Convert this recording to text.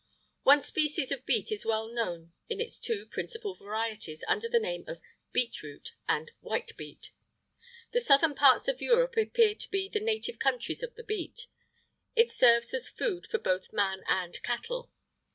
One species of beet is well known in its two principal varieties, under the name of beet root and white beet. The southern parts of Europe appear to be the native countries of the beet. It serves as food for both man and cattle.